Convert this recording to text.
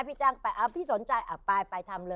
พี่จ้างไหมพี่จ้างก็ไป